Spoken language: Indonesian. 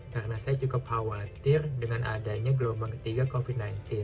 karena saya cukup khawatir dengan adanya gelombang ketiga covid sembilan belas